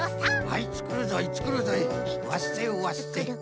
「はいつくるぞいつくるぞいわっせわっせ」。